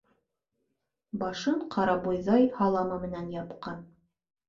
Башын ҡарабойҙай һаламы менән япҡан.